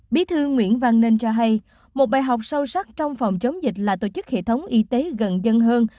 bí thư nguyễn văn nên cho hay một bài học sâu sắc trong phòng chống dịch là tổ chức hệ thống y tế gần dân hơn